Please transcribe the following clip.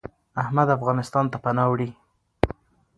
احمد افغانستان ته پناه وړي .